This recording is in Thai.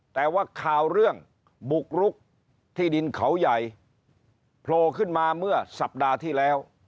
แต่ว่าข่าวเรื่องบุกรุกที่ดินเขาใหญ่โผล่ขึ้นมาเมื่อสัปดาห์ที่แล้ว